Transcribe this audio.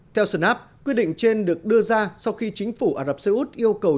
theo sonap quyết định trên được đưa ra sau khi chính phủ ả rập xê út yêu cầu